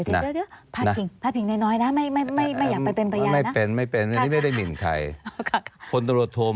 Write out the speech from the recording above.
เดี๋ยวพัฒนี้หน่อยไม่อยากไปเป็นประยาทนะ